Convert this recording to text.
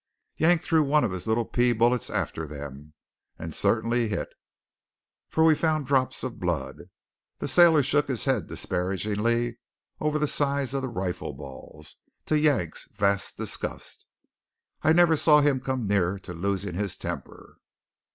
Yank threw one of his little pea bullets after them; and certainly hit, for we found drops of blood. The sailor shook his head disparagingly over the size of the rifle balls, to Yank's vast disgust. I never saw him come nearer to losing his temper.